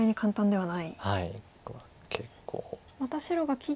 はい。